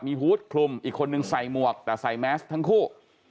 มีฮูตคลุมอีกคนนึงใส่หมวกแต่ใส่แมสทั้งคู่